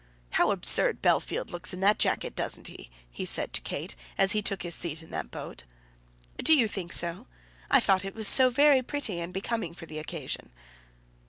"How absurd Bellfield looks in that jacket, doesn't he?" he said to Kate, as he took his seat in the boat. "Do you think so? I thought it was so very pretty and becoming for the occasion."